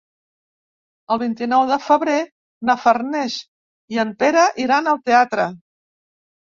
El vint-i-nou de febrer na Farners i en Pere iran al teatre.